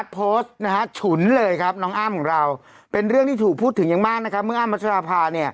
เป็นเรื่องที่ถูกพูดถึงอย่างมากเมื่ออัมพัชราพา